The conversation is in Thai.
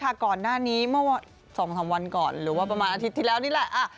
ลองเลยค่ะก่อนหน้านี้๒สมก่อนหรือว่าประมาณอาทิตย์ทีแล้วนี่แหละ